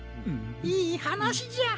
いいはなしじゃ。